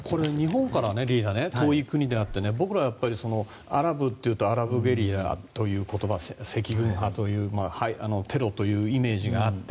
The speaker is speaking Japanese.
日本からリーダー、遠い国であって僕らはやっぱり、アラブというとアラブべリアという言葉や赤軍派テロというイメージがあって。